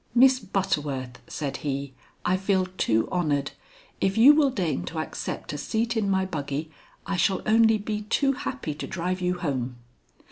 "Miss Butterworth," said he, "I feel too honored. If you will deign to accept a seat in my buggy, I shall only be too happy to drive you home."